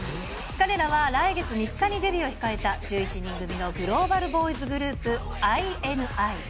彼らは来月３日にデビューを控えた１１人組のグローバルボーイズグループ、ＩＮＩ。